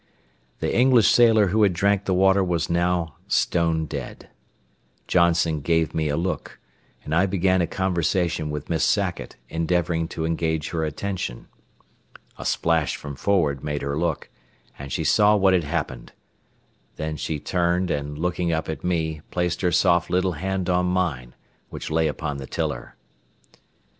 The English sailor who had drank the water was now stone dead. Johnson gave me a look, and I began a conversation with Miss Sackett, endeavoring to engage her attention. A splash from forward made her look, and she saw what had happened. Then she turned and, looking up at me, placed her soft little hand on mine which lay upon the tiller.